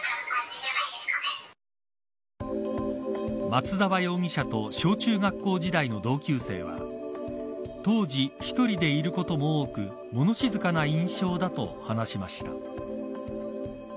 松沢容疑者と小中学校時代の同級生は当時、１人でいることも多く物静かな印象だと話しました。